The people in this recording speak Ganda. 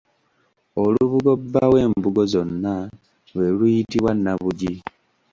Olubugo bba w’embugo zonna lwe luyitibwa Nabugi.